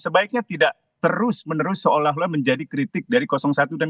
sebaiknya tidak terus menerus seolah olah menjadi kritik dari satu dan dua